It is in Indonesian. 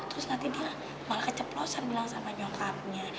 terus nanti dia malah keceplosan bilang sama jokarnya